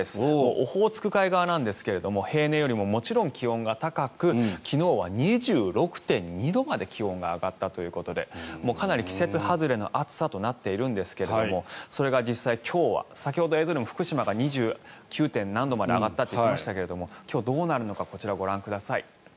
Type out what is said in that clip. オホーツク海側なんですが平年よりももちろん気温が高く昨日は２６．２度まで気温が上がったということでかなり季節外れの暑さとなっているんですけれどもそれが実際、今日は先ほど映像でも福島が２９．何度まで上がったと上がったと言ってましたが今日はどうなるのかこちら、ご覧ください。